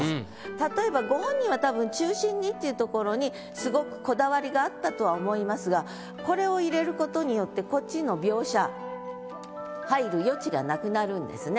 例えばご本人はたぶん「中心に」っていうところにすごくこだわりがあったとは思いますがこれを入れる事によってこっちの描写入る余地がなくなるんですね。